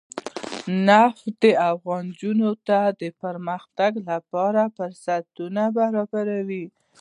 نفت د افغان نجونو د پرمختګ لپاره فرصتونه برابروي.